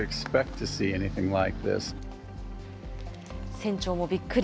船長もびっくり。